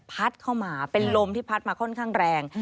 พัดเข้ามาเป็นลมที่พัดมาค่อนข้างแรง